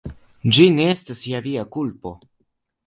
Ĝi ne estas ja via kulpo!